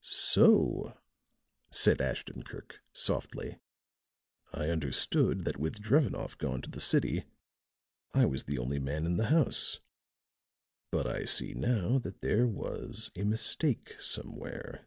"So!" said Ashton Kirk, softly. "I understood that with Drevenoff gone to the city I was the only man in the house. But I see now that there was a mistake somewhere.